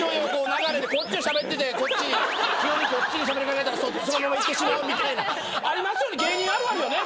流れでこっちでしゃべっててこっち急にこっちにしゃべりかけたらそのままいってしまうみたいな。ありますよね。